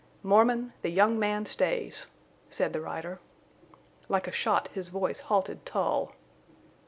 "Mormon, the young man stays," said the rider. Like a shot his voice halted Tull.